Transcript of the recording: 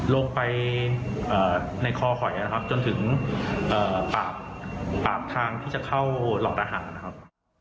ลงไปในคอหอยนะครับจนถึงปากทางที่จะเข้าหลอกอาหารนะครับ